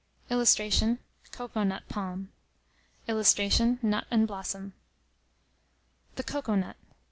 [Illustration: COCOA NUT PALM.] [Illustration: NUT & BLOSSOM.] THE COCOA NUT.